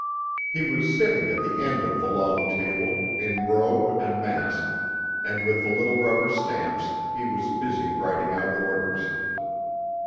He was sitting at the end of the long table, in robe and mask, and with the little rubber stamps he was busy writing out orders.